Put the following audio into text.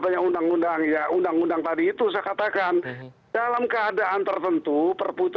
tanya undang undang ya undang undang tadi itu saya katakan dalam keadaan tertentu perputu